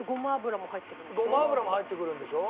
ごま油も入ってくるんでしょ。